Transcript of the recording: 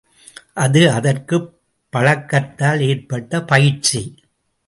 அது, அதற்குப் பழக்கத்தால் ஏற்பட்ட பயிற்சி.